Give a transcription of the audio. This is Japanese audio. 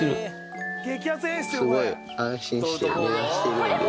すごい安心して寝出してるんで。